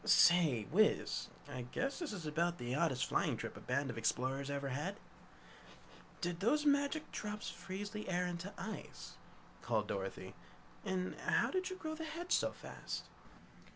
"Say, Wiz, I guess this is about the oddest flying trip a band of explorers ever had?" "Did those magic drops freeze the air into ice?" called Dorothy. "And how'd you grow the hedge so fast?"